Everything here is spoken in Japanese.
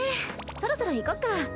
そろそろ行こっか。